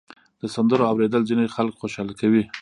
د سندرو اورېدل ځینې خلک خوشحاله کوي.